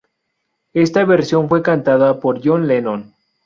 Esta versión fue cantada por John Lennon.